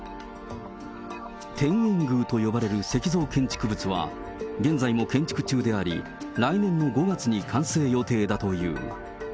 天苑宮と呼ばれる石造建築物は、現在も建築中であり、来年の５月に完成予定だという。